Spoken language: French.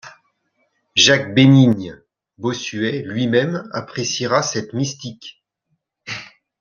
Jacques-Bénigne Bossuet lui-même appréciera cette mystique.